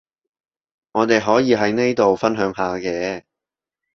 我哋可以喺呢度分享下嘅